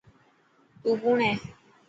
تون ڪوڻ هي.